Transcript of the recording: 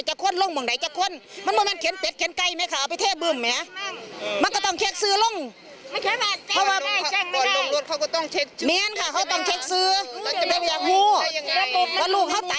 ใช่ไหมเมื่อคืนว่าค่ะใช่